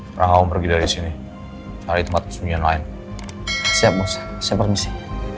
perahu pergi dari sini hari tempat kesembunyian lain siap siap permisi